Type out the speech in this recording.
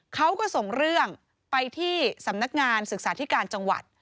เขาก็ส่งเรื่องไปที่สำนักงานศึกษาธิการจังหวัด